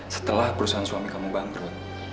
setelah perusahaan suami kamu bandrol